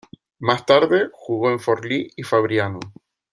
Más tarde, jugó en Forlì y Fabriano.